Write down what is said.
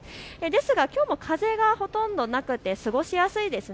ですが、きょうも風がほとんどなくて過ごしやすいです。